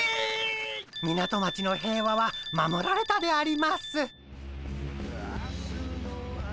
港町の平和は守られたであります。